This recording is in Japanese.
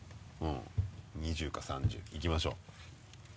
２０か３０いきましょう。